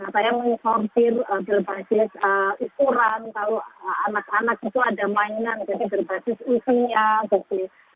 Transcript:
saya meng sortir berbasis ukuran kalau anak anak itu ada mainan jadi berbasis usinya begitu